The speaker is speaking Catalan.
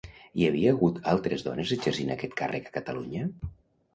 Hi havia hagut altres dones exercint aquest càrrec a Catalunya?